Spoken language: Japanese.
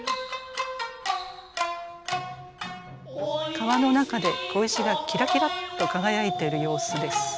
川の中で小石がキラキラっと輝いている様子です。